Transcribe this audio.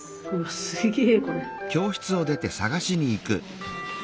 すげえ！